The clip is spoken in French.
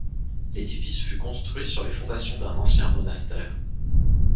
L'édifice fut construit sur les fondations d'un ancien monastère.